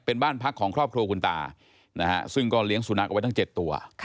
เป็นบ้านพักของครอบครัวคุณตานะฮะซึ่งก็เลี้ยงสุนัขเอาไว้ตั้ง๗ตัว